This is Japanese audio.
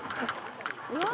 「うわ！」